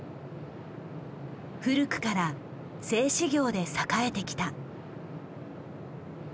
古くから製紙業で栄えてきた。